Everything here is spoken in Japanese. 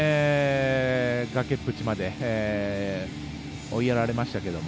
がけっぷちまで追いやられましたけれども